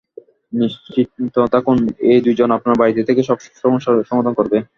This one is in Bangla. নিশ্চিন্ত থাকুন, এই দুজন আপনার বাড়িতে থেকে সব সমস্যার সমাধান করবে।